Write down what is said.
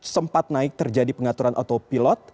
sempat naik terjadi pengaturan autopilot